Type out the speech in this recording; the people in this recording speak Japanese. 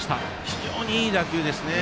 非常にいい打球ですね。